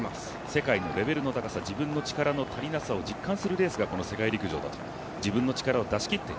世界のレベルの高さ、自分の力の足りなさを実感するのがこの世界陸上だと自分の力を出しきって